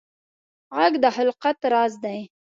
غږ د خلقت راز دی